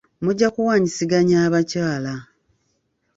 Mujja kuwanyisiganya abakyala.